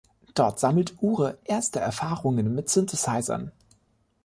Dort sammelte Ure erste Erfahrungen mit Synthesizern.